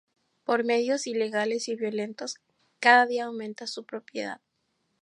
Por medios ilegales y violentos, cada día aumenta su propiedad.